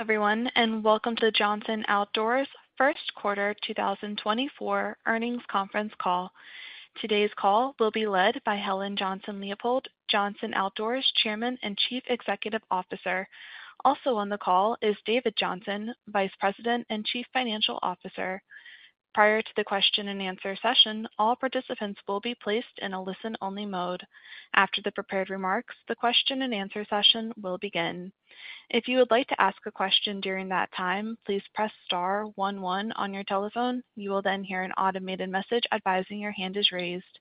Everyone, and welcome to Johnson Outdoors' first quarter 2024 earnings conference call. Today's call will be led by Helen Johnson-Leipold, Johnson Outdoors Chairman and Chief Executive Officer. Also on the call is David Johnson, Vice President and Chief Financial Officer. Prior to the question-and-answer session, all participants will be placed in a listen-only mode. After the prepared remarks, the question-and-answer session will begin. If you would like to ask a question during that time, please press star one one on your telephone. You will then hear an automated message advising your hand is raised.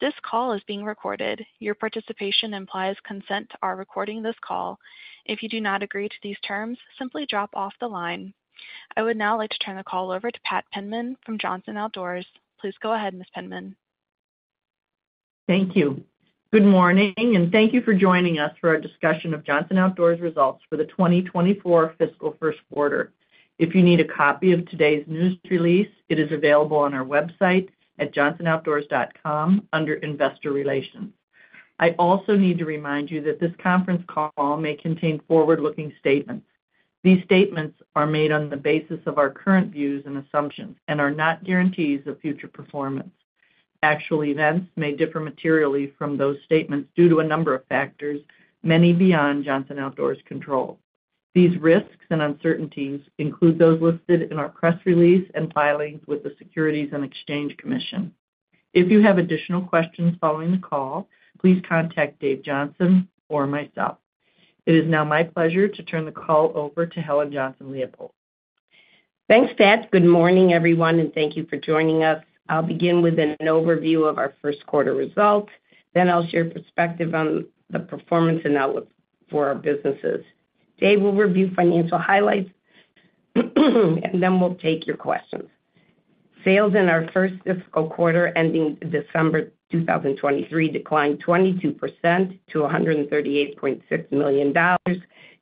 This call is being recorded. Your participation implies consent to our recording this call. If you do not agree to these terms, simply drop off the line. I would now like to turn the call over to Pat Penman from Johnson Outdoors. Please go ahead, Ms. Penman. Thank you. Good morning, and thank you for joining us for our discussion of Johnson Outdoors results for the 2024 fiscal first quarter. If you need a copy of today's news release, it is available on our website at johnsonoutdoors.com under investor relations. I also need to remind you that this conference call may contain forward-looking statements. These statements are made on the basis of our current views and assumptions and are not guarantees of future performance. Actual events may differ materially from those statements due to a number of factors, many beyond Johnson Outdoors' control. These risks and uncertainties include those listed in our press release and filings with the Securities and Exchange Commission. If you have additional questions following the call, please contact Dave Johnson or myself. It is now my pleasure to turn the call over to Helen Johnson-Leipold. Thanks, Pat. Good morning, everyone, and thank you for joining us. I'll begin with an overview of our first quarter results, then I'll share perspective on the performance and outlook for our businesses. Dave will review financial highlights, and then we'll take your questions. Sales in our first fiscal quarter, ending December 2023, declined 22% to $138.6 million,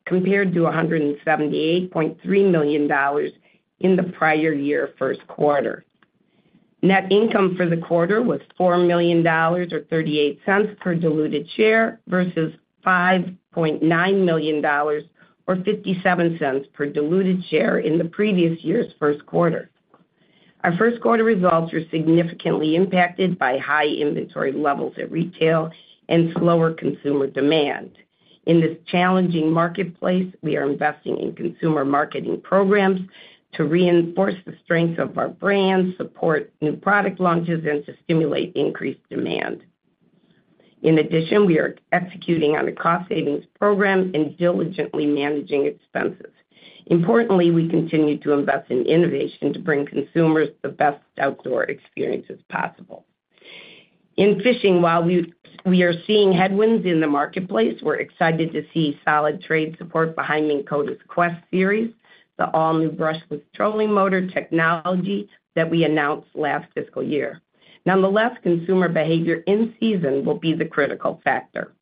compared to $178.3 million in the prior year first quarter. Net income for the quarter was $4 million, or $0.38 per diluted share, versus $5.9 million, or $0.57 per diluted share in the previous year's first quarter. Our first quarter results were significantly impacted by high inventory levels at retail and slower consumer demand. In this challenging marketplace, we are investing in consumer marketing programs to reinforce the strength of our brands, support new product launches, and to stimulate increased demand. In addition, we are executing on a cost savings program and diligently managing expenses. Importantly, we continue to invest in innovation to bring consumers the best outdoor experiences possible. In Fishing, while we are seeing headwinds in the marketplace, we're excited to see solid trade support behind Minn Kota's QUEST Series, the all-new brushless trolling motor technology that we announced last fiscal year. Nonetheless, consumer behavior in season will be the critical factor.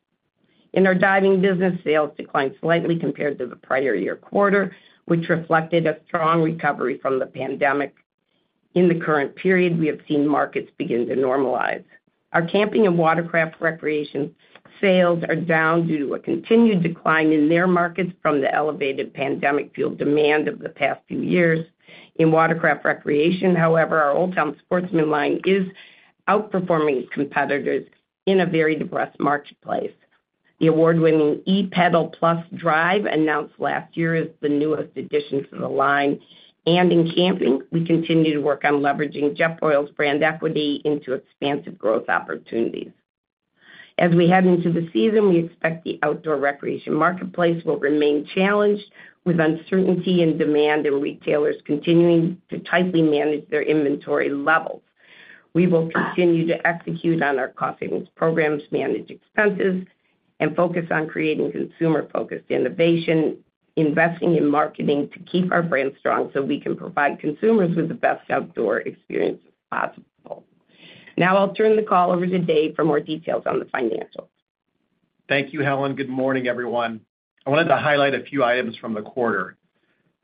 In our Diving business, sales declined slightly compared to the prior year quarter, which reflected a strong recovery from the pandemic. In the current period, we have seen markets begin to normalize. Our Camping and Watercraft Recreation sales are down due to a continued decline in their markets from the elevated pandemic-fueled demand of the past few years. In Watercraft Recreation, however, our Old Town Sportsman line is outperforming its competitors in a very depressed marketplace. The award-winning ePDL+ Drive, announced last year, is the newest addition to the line. In Camping, we continue to work on leveraging Jetboil's brand equity into expansive growth opportunities. As we head into the season, we expect the outdoor recreation marketplace will remain challenged, with uncertainty in demand and retailers continuing to tightly manage their inventory levels. We will continue to execute on our cost savings programs, manage expenses, and focus on creating consumer-focused innovation, investing in marketing to keep our brand strong so we can provide consumers with the best outdoor experience possible. Now I'll turn the call over to Dave for more details on the financials. Thank you, Helen. Good morning, everyone. I wanted to highlight a few items from the quarter.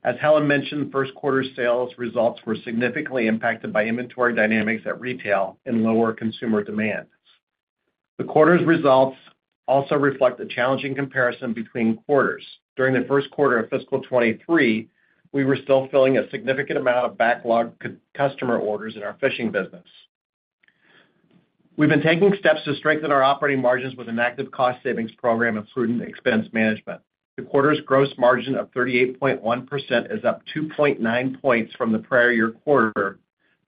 As Helen mentioned, first quarter sales results were significantly impacted by inventory dynamics at retail and lower consumer demand. The quarter's results also reflect the challenging comparison between quarters. During the first quarter of fiscal 2023, we were still filling a significant amount of backlog customer orders in our Fishing business. We've been taking steps to strengthen our operating margins with an active cost savings program and prudent expense management. The quarter's gross margin of 38.1% is up 2.9 points from the prior year quarter,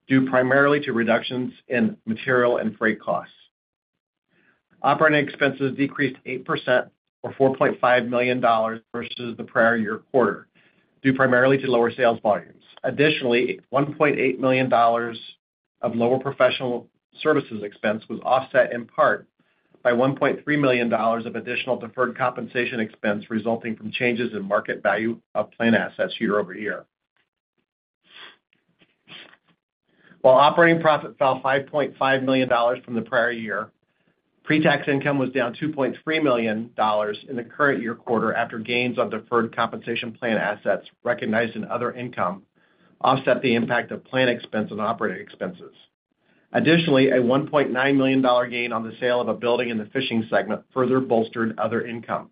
due primarily to reductions in material and freight costs. Operating expenses decreased 8%, or $4.5 million, versus the prior year quarter, due primarily to lower sales volumes. Additionally, $1.8 million of lower professional services expense was offset in part by $1.3 million of additional deferred compensation expense resulting from changes in market value of plan assets year-over-year. While operating profit fell $5.5 million from the prior year, pretax income was down $2.3 million in the current year quarter, after gains of deferred compensation plan assets recognized in other income offset the impact of plan expense on operating expenses. Additionally, a $1.9 million gain on the sale of a building in the Fishing segment further bolstered other income.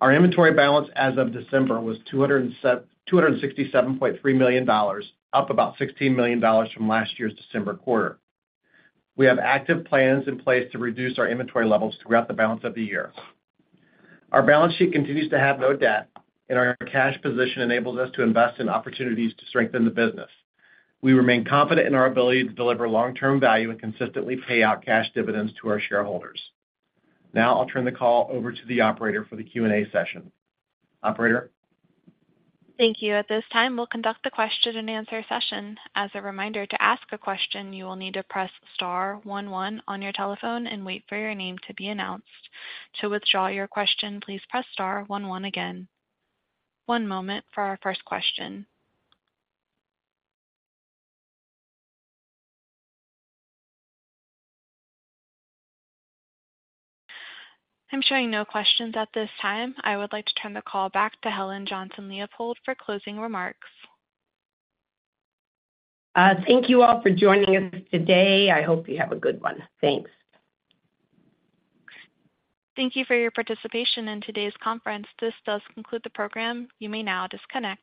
Our inventory balance as of December was $267.3 million, up about $16 million from last year's December quarter. We have active plans in place to reduce our inventory levels throughout the balance of the year. Our balance sheet continues to have no debt, and our cash position enables us to invest in opportunities to strengthen the business. We remain confident in our ability to deliver long-term value and consistently pay out cash dividends to our shareholders. Now I'll turn the call over to the operator for the Q&A session. Operator? Thank you. At this time, we'll conduct the question-and-answer session. As a reminder, to ask a question, you will need to press star one one on your telephone and wait for your name to be announced. To withdraw your question, please press star one one again. One moment for our first question. I'm showing no questions at this time. I would like to turn the call back to Helen Johnson-Leipold for closing remarks. Thank you all for joining us today. I hope you have a good one. Thanks. Thank you for your participation in today's conference. This does conclude the program. You may now disconnect.